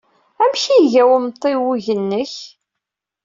Amek ay iga wemtiweg-nnek?